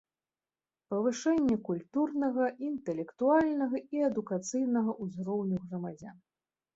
Павышэнне культурнага, iнтэлектуальнага i адукацыйнага ўзроўню грамадзян.